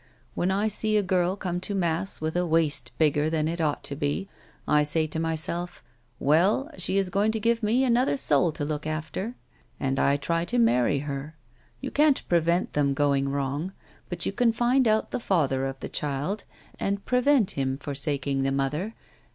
When I see a girl come to mass with a waist bigger than it ought to be, I say to myself —' Well, she is going to give me another soul to look after ;'— and I try to marry her. You can't prevent them going wrong, but you can find out the father of the child and prevent him forsaking the mother.